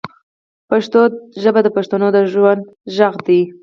پښتو ژبه د بښتنو د ژوند ږغ دی